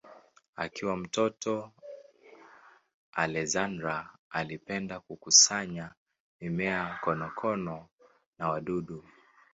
Akiwa mtoto Alexander alipenda kukusanya mimea, konokono na wadudu.